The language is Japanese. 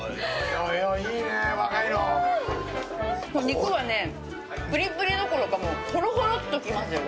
肉がねプリプリどころかもうホロホロっときますよ